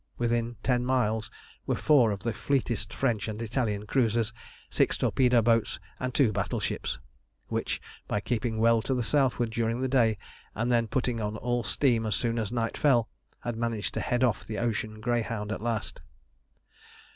Within ten miles were four of the fleetest French and Italian cruisers, six torpedo boats, and two battleships, which, by keeping well to the southward during the day, and then putting on all steam as soon as night fell, had managed to head off the ocean greyhound at last.